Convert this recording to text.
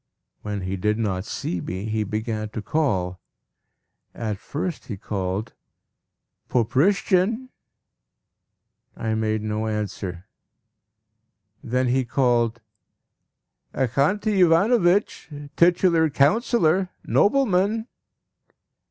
When he did not see me, he began to call. At first he called "Poprishchin!" I made no answer. Then he called "Axanti Ivanovitch! Titular Councillor! Nobleman!"